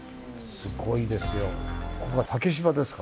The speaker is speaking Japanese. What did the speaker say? すごいですよ。